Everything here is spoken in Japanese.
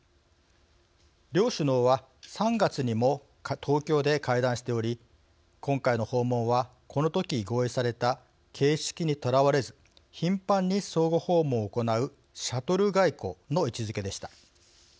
両首脳は３月にも東京で会談しており今回の訪問はこの時合意された形式にとらわれず頻繁に相互訪問を行うシャトル外交の位置づけでした。